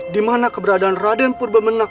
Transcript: dimana keberadaan raden purba menak